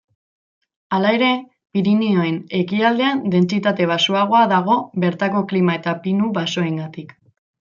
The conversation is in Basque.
Halere, Pirinioen ekialdean dentsitate baxuagoa dago bertako klima eta pinu-basoengatik.